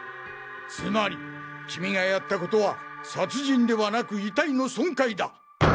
つまりキミがやった事は殺人ではなく遺体の損壊だ！